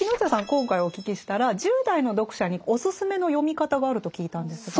今回お聞きしたら１０代の読者にお勧めの読み方があると聞いたんですが。